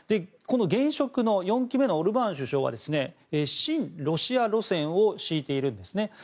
この現職の４期目のオルバーン首相は親ロシア路線を敷いているんですね。